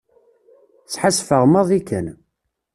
Sḥassfeɣ maḍi kan.